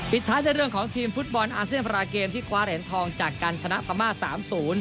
ปิดท้ายได้เรื่องของทีมฟุตบอลอาเซนต์ภาราเกมที่กว้าแหล่นทองจากการชนะพม่า๓๐